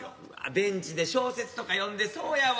ベンチで小説とか読んでそうやわ。